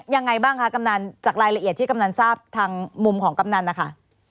ยังไงบ้างคะกำนันจากรายละเอียดที่กำนันทราบทางมุมของกำนันนะคะ